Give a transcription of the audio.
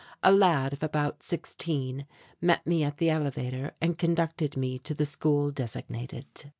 A lad of about sixteen met me at the elevator and conducted me to the school designated.